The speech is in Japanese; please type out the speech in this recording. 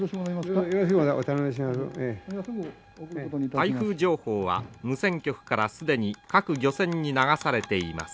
台風情報は無線局から既に各漁船に流されています。